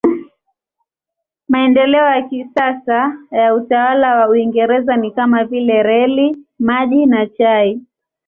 Maendeleo ya kisasa ya utawala wa Uingereza ni kama vile reli, maji na chai.